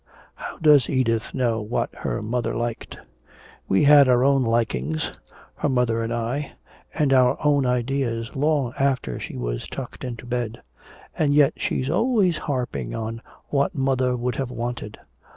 How does Edith know what her mother liked? We had our own likings, her mother and I, and our own ideas, long after she was tucked into bed. And yet she's always harping on 'what mother would have wanted.'